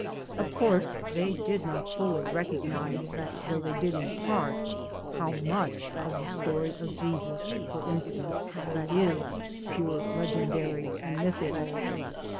Of course they did not fully recog nize though they did in part how much of the story of Jesus, for instance, is purely legendary and mythical.